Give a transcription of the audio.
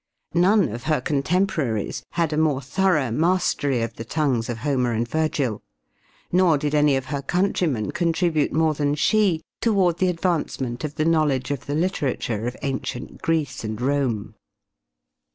None of her contemporaries had a more thorough mastery of the tongues of Homer and Virgil, nor did any of her countrymen contribute more than she toward the advancement of the knowledge of the literature of ancient Greece and Rome.